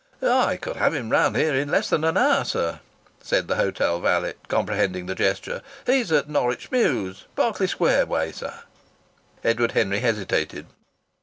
"I could have him round here in less than an hour, sir," said the hotel valet, comprehending the gesture. "He's at Norwich Mews Berkeley Square way, sir." Edward Henry hesitated.